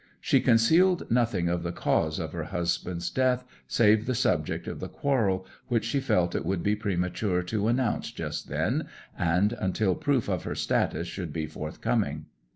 She concealed nothing of the cause of her husband's death save the subject of the quarrel, which she felt it would be premature to announce just then, and until proof of her status should be forthcoming.